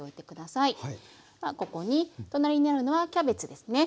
ここに隣にあるのはキャベツですね。